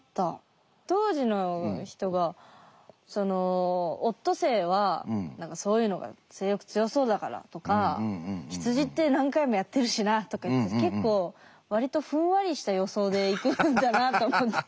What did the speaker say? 当時の人がオットセイは何かそういうのが性欲強そうだからとか羊って何回もやってるしなとかいって結構わりとふんわりした予想でいくんだなと思って。